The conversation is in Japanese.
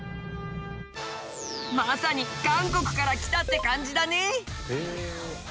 まさに韓国から来たって感じだね。